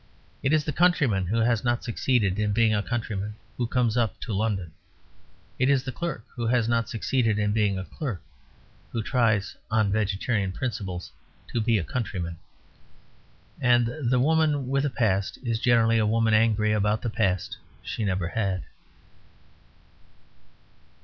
It is the countryman who has not succeeded in being a countryman who comes up to London. It is the clerk who has not succeeded in being a clerk who tries (on vegetarian principles) to be a countryman. And the woman with a past is generally a woman angry about the past she never had.